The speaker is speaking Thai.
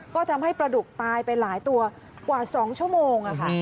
ก็ทำให้ปลาดุกตายไปหลายตัวกว่า๒ชั่วโมงค่ะ